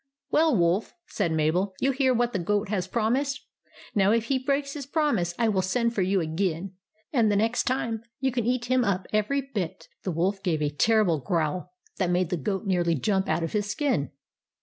"Well, Wolf," said Mabel, "you hear what the goat has promised. Now if he breaks his promise, I will send for you again, and the next time you can eat him up every bit." The Wolf gave a terrible growl that made the goat nearly jump out of his skin.